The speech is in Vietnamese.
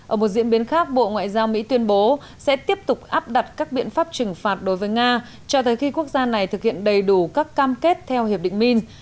ở một diễn biến khác bộ ngoại giao mỹ tuyên bố sẽ tiếp tục áp đặt các biện pháp trừng phạt đối với nga cho tới khi quốc gia này thực hiện đầy đủ các cam kết theo hiệp định min